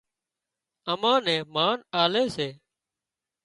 امان نين مانَ آلي سي